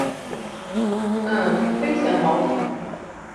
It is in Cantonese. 嗯，非常好